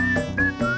masalahnya jadi kenceng